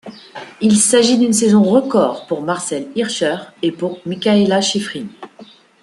Il s'agit d'une saison record pour Marcel Hirscher et pour Mikaela Shiffrin.